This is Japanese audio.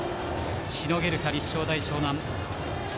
しのげるか、立正大淞南。